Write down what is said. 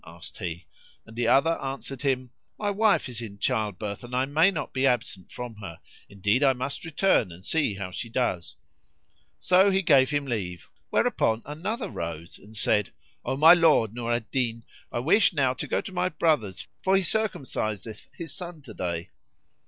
asked he and the other answered him, "My wife is in childbirth and I may not be absent from her: indeed I must return and see how she does." So he gave him leave, whereupon another rose and said, "O my lord Nur al Din, I wish now to go to my brother's for he circumciseth his son to day."